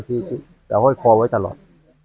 เอาเฮ้ยคอไว้ตลอด